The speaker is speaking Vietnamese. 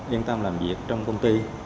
yên tâm làm việc trong công ty